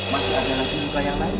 sekarang anda quiz hartanya